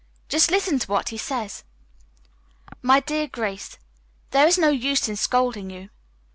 Just listen to what he says:" "MY DEAR GRACE: "There is no use in scolding you.